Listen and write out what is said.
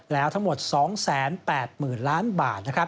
แล้วทั้งหมดสองแสนแปดหมื่นล้านบาท